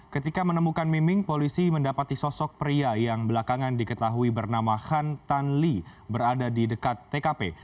ketika menemukan miming polisi mendapati sosok pria yang belakangan diketahui bernama han tan lee berada di dekat tkp